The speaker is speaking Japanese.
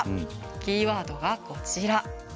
キーワードは、こちら。